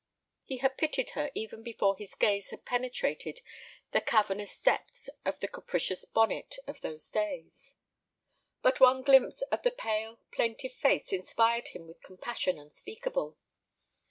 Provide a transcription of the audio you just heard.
He had pitied her even before his gaze had penetrated the cavernous depths of the capacious bonnet of those days; but one glimpse of the pale plaintive face inspired him with compassion unspeakable.